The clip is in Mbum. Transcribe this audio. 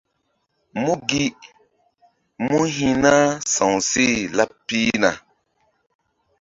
Mu gi mú hi̧ na sawseh laɓ pihna.